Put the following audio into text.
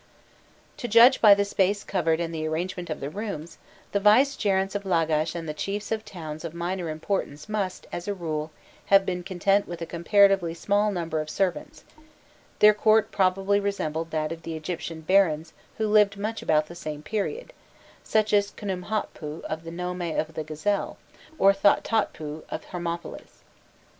To judge by the space covered and the arrangement of the rooms, the vicegerents of Lagash and the chiefs of towns of minor importance must, as a rule, have been content with a comparatively small number of servants; their court probably resembled that of the Egyptian barons who lived much about the same period, such as Khnumhotpu of the nome of the Gazelle, or Thothotpu of Hermopolis.